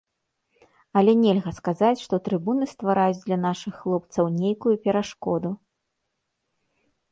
Але нельга сказаць, што трыбуны ствараюць для нашых хлопцаў нейкую перашкоду.